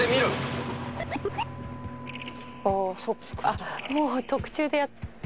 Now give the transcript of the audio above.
「あっもう特注でやるんだ」